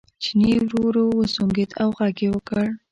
چیني ورو ورو وسونګېد او غږ یې وکړ.